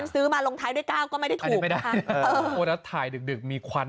ซื้อมาลงท้ายด้วย๙ก็ไม่ได้ถูกไม่ได้ถ่ายดึกมีควัน